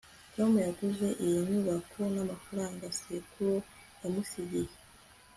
tom yaguze iyi nyubako namafaranga sekuru yamusigiye